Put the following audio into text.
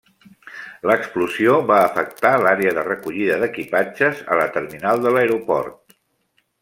L'explosió va afectar l'àrea de recollida d'equipatges a la terminal de l'aeroport.